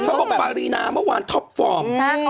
บอกปารีนาเมื่อวานท็อปฟอร์ม